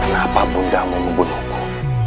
kenapa bunda mau membunuhmu